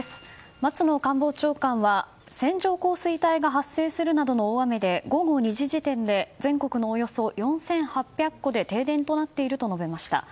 松野官房長官は、線状降水帯が発生するなどの大雨で午後２時時点で全国のおよそ４８００戸で停電となっていると述べました。